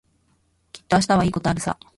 きっと明日はいいことあるさ。